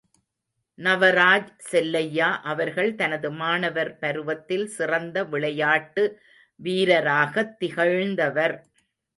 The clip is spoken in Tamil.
நவராஜ் செல்லையா அவர்கள் தனது மாணவர் பருவத்தில் சிறந்த விளையாட்டு வீரராகத் திகழ்ந்தவர்.